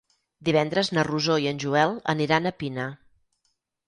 Divendres na Rosó i en Joel aniran a Pina.